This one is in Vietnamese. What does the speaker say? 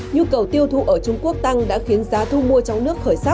nhu cầu tiêu thụ ở trung quốc tăng đã khiến giá thu mua trong nước khởi sắc